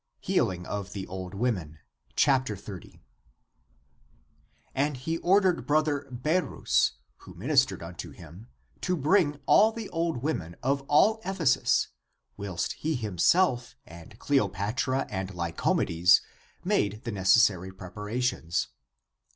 HEALING OF THE OLD WOMEN. (Acta pp. 167 169). 30. And he ordered brother Berus, who minis tered unto him to bring all the old women of all Ephesus, whilst he himself and Cleopatra and Lyco medes made the necessary preparations.